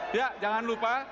ya jangan lupa